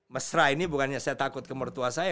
mesra ini bukannya saya takut kemertua saya